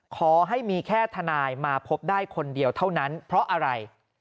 ขอให้มีแค่ทนายมาพบได้คนเดียวเท่านั้นเพราะอะไร